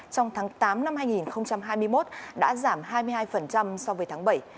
trong tháng tám năm hai nghìn hai mươi một đã giảm hai mươi hai so với tháng bảy